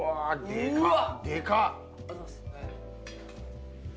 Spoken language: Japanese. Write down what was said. でかっ！